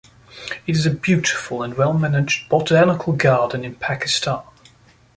It is a beautiful and well managed botanical garden in Pakistan.